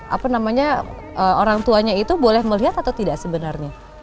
apa namanya orang tuanya itu boleh melihat atau tidak sebenarnya